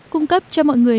cung cấp cho mọi người